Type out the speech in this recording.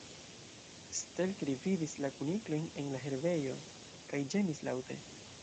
Stelkri vidis la kuniklojn en la herbejo, kaj ĝemis laŭte.